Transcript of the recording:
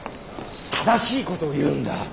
正しいことを言うんだ。